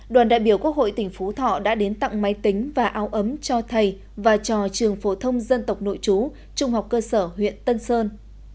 đoàn đại biểu quốc hội tỉnh phú thọ đã đến tặng máy tính và áo ấm cho thầy và cho trường phổ thông dân tộc nội chú trung học cơ sở huyện tân sơn